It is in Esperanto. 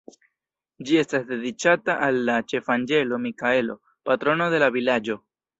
Ĝi estas dediĉata al la Ĉefanĝelo Mikaelo, patrono de la vilaĝo.